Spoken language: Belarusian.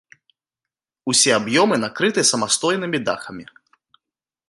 Усе аб'ёмы накрыты самастойнымі дахамі.